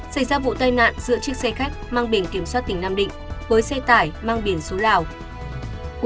xảy ra vụ tai nạn giữa chiếc xe khách mang biển kiểm soát tỉnh nam định với xe tải mang biển số lào